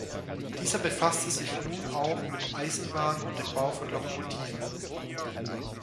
Dieser befasste sich nun auch mit Eisenwaren und dem Bau von Lokomotiven.